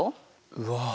うわ。